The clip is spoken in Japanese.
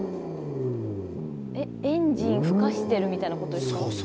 エンジンふかしてるみたいなことですか？